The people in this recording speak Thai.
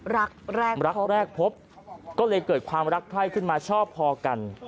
รักแรกพบก็เลยเกิดความรักไพร่ขึ้นมาชอบพอกัน